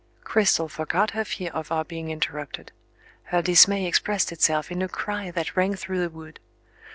Cristel forgot her fear of our being interrupted. Her dismay expressed itself in a cry that rang through the wood.